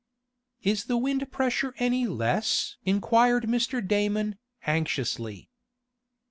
"Is the wind pressure any less?" inquired Mr. Damon, anxiously.